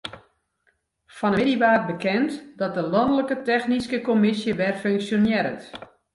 Fan 'e middei waard bekend dat de lanlike technyske kommisje wer funksjonearret.